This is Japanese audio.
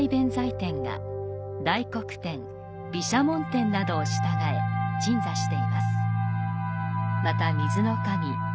天が大黒天、毘沙門天などを従え鎮座しています。